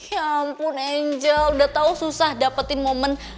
ya ampun angel udah tau susah dapetin momen